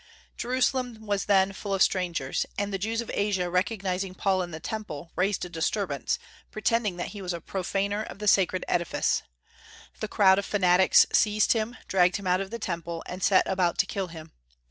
Jerusalem was then full of strangers, and the Jews of Asia recognizing Paul in the Temple, raised a disturbance, pretending that he was a profaner of the sacred edifice. The crowd of fanatics seized him, dragged him out of the Temple, and set about to kill him.